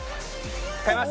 買います！